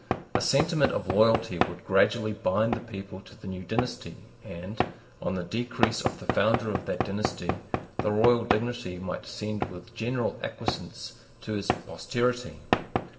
A sentiment of loyalty would gradually bind the people to the new dynasty; and, on the decease of the founder of that dynasty, the royal dignity might descend with general acquiescence to his posterity.